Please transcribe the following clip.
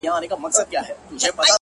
روح مي لا ورک دی ـ روح یې روان دی ـ